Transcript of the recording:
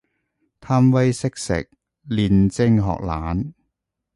貪威識食，練精學懶